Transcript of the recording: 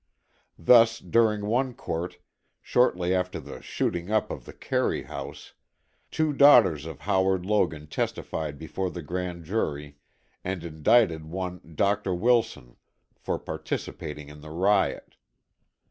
Thus during one court, shortly after the "shooting up" of the Carey House, two daughters of Howard Logan testified before the grand jury and indicted one Dr. Wilson for participating in the riot.